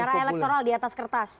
era elektoral di atas kertas